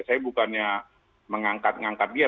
saya bukannya mengangkat ngangkat dia